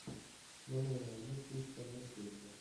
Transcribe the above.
Non era ne questo ne quello.